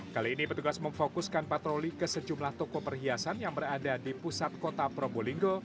kali ini petugas memfokuskan patroli ke sejumlah toko perhiasan yang berada di pusat kota probolinggo